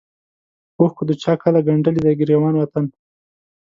اوښکو د چا کله ګنډلی دی ګرېوان وطنه